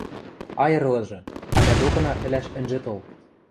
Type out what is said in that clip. Айырлыжы... а мӓ докына ӹлӓш ӹнжӹ тол!